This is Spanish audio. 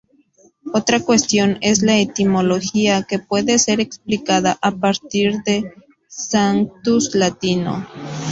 Otra cuestión es la etimología que puede ser explicada a partir del sanctus latino.